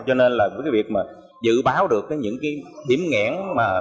cho nên dự báo được những điểm nghẽn